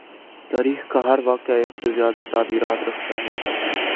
تایخ کا ہر واقعہ ایک سے زیادہ تعبیرات رکھتا ہے۔